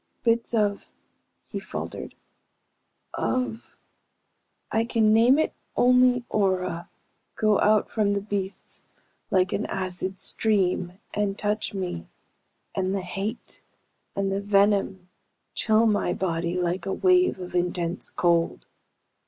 "Bits of ..." He faltered. "Of ... I can name it only aura, go out from the beasts like an acid stream, and touch me, and the hate, and the venom chill my body like a wave of intense cold.